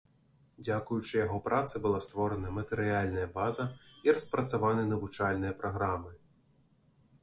Дзякуючы яго працы была створана матэрыяльная база і распрацаваны навучальныя праграмы.